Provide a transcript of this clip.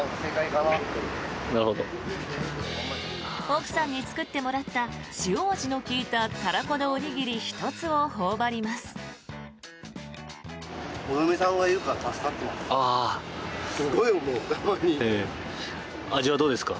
奥さんに作ってもらった塩味の利いたたらこのおにぎり１つを頬張ります。